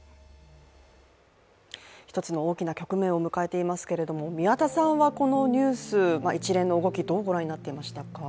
一つの大きな局面を迎えていますけれども宮田さんはこのニュース、一連の動きをどうご覧になっていましたか。